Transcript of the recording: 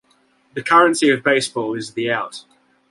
The currency of baseball is the out.